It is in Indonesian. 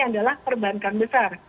adalah perbankan besar